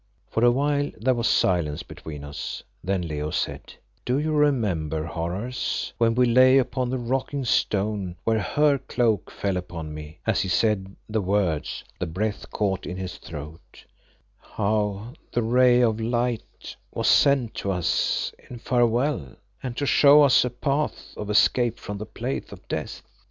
For awhile there was silence between us, then Leo said "Do you remember, Horace, when we lay upon the Rocking Stone where her cloak fell upon me " as he said the words the breath caught in his throat "how the ray of light was sent to us in farewell, and to show us a path of escape from the Place of Death?